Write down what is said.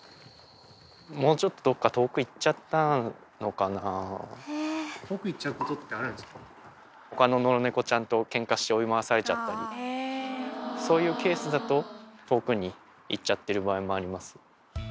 もうちょっと、遠く行っちゃうことってあるほかの野良猫ちゃんとけんかして追い回されちゃったり、そういうケースだと、遠くに行っちゃってる場合もあります。